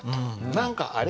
何かあれ？